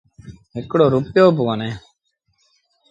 هڪڙو رپيو با ڪونهي